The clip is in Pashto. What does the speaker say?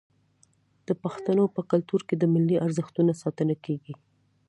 د پښتنو په کلتور کې د ملي ارزښتونو ساتنه کیږي.